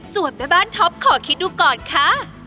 ส่วนแม่บ้านท็อปขอคิดดูก่อนค่ะ